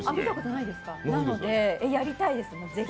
なので、ぜひやりたいです。